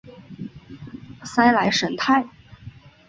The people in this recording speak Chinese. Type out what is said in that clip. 塞莱什泰。